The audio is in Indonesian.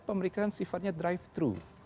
pemeriksaan sifatnya drive thru